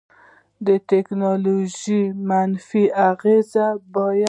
د ټیکنالوژي منفي اغیزې باید په پام کې ونیول شي.